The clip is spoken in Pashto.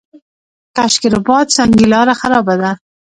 کشک رباط سنګي لاره خرابه ده؟